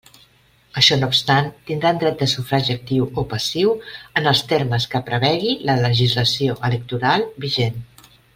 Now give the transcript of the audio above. Això no obstant, tindran dret de sufragi actiu o passiu en els termes que prevegi la legislació electoral vigent.